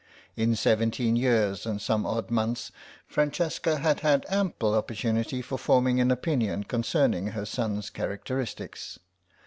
In seventeen years and some odd months Francesca had had ample opportunity for forming an opinion concerning her son's characteristics.